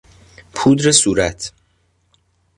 پودر صورت